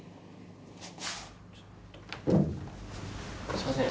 すいません。